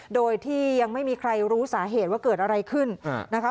โดยที่ยังไม่มีใครรู้สาเหตุว่าเกิดอะไรขึ้นนะคะ